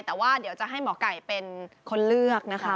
แต่ว่าเดี๋ยวจะให้หมอไก่เป็นคนเลือกนะคะ